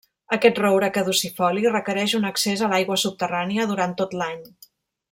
Aquest roure caducifoli requereix un accés a l'aigua subterrània durant tot l'any.